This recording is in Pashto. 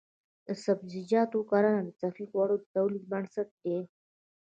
د سبزیجاتو کرنه د صحي خوړو د تولید بنسټ دی.